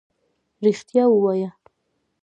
رښتيا ووايه.